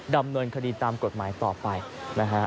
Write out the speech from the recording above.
ดำเนินคดีตามกฎหมายต่อไปนะฮะ